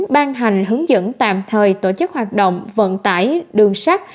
ban hành hướng dẫn tạm thời tổ chức hoạt động vận tải đường sắt